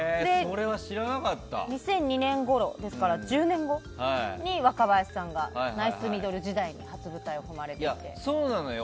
で、２００２年ごろですから１０年後に若林さんがナイスミドル時代にそうなのよ。